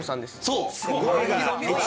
そう！